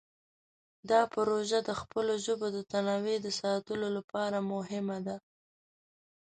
دا پروژه د خپلو ژبو د تنوع د ساتلو لپاره مهمه ده.